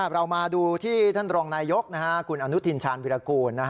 เรามาดูที่ท่านรองนายยกคุณอนุทินชาญวิรากูล